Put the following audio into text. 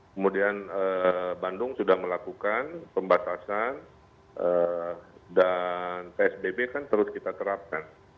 kemudian bandung sudah melakukan pembatasan dan psbb kan terus kita terapkan